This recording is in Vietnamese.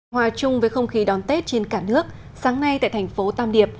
hòa chung với không khí đón tết trên cả nước sáng nay tại thành phố tam điệp